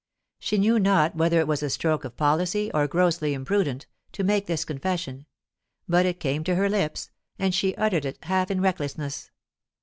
She knew not whether it was a stroke of policy, or grossly imprudent, to make this confession. But it came to her lips, and she uttered it half in recklessness.